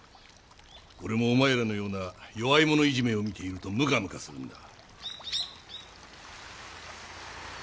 俺もお前らのような弱い者いじめを見ているとむかむかするんだ。